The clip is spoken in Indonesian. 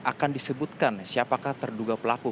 akan disebutkan siapakah terduga pelaku